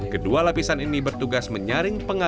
kedua lapisan ini bertugas menyaring pengamanan